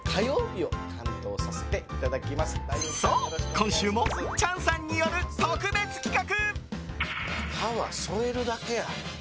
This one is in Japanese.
今週もチャンさんによる特別企画。